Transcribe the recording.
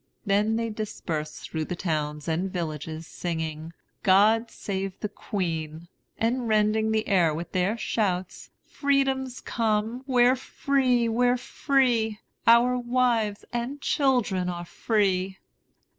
Then they dispersed through the towns and villages, singing 'God save the queen,' and rending the air with their shouts, 'Freedom's come!' 'We're free! we're free!' 'Our wives and children are free!'